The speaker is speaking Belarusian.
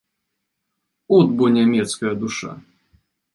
От бо нямецкая душа!